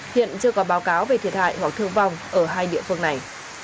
hiện chưa có báo cáo về thiệt hại hoặc thương vong ở hai địa phương này